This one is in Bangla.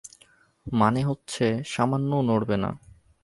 মানে হচ্ছে, সামান্যও নড়বে না।